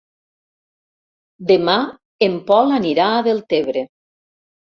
Demà en Pol anirà a Deltebre.